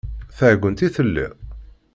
D taɛeggunt i telliḍ?